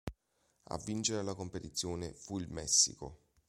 A vincere la competizione fu il Messico.